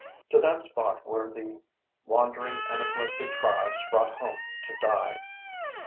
To that spot were the wandering and afflicted tribes brought home to die.